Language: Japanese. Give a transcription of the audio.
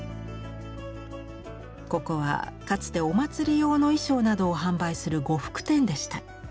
ここはかつてお祭り用の衣装などを販売する呉服店でした。